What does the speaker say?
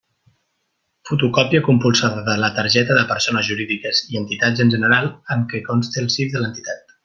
Fotocòpia compulsada de la targeta de persones jurídiques i entitats en general en què conste el CIF de l'entitat.